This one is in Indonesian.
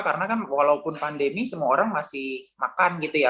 karena kan walaupun pandemi semua orang masih makan gitu ya